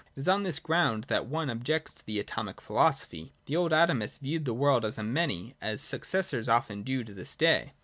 It is on this ground that one objects to the Atomic philo sophy. The old Atomists viewed the world as a many, as their successors often do to this day.